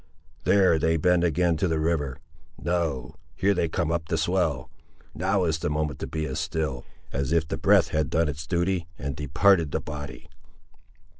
—There they bend again to the river—no; here they come up the swell—now is the moment to be as still, as if the breath had done its duty and departed the body."